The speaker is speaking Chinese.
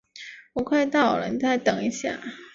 我快到了，你再等一下。